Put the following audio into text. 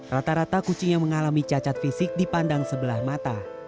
rata rata kucing yang mengalami cacat fisik dipandang sebelah mata